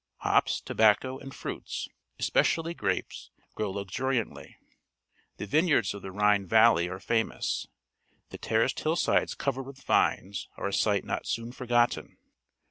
Ho£Si_tobacco, and f ruits , especially grapes, grow luxuriantly. The vineyards of the Rhine valley are famous ; the terraced hillsides covered with vines are a sight not soon forgotten.